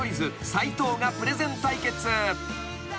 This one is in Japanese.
斎藤がプレゼン対決］